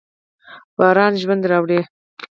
باران ژوند راوړي.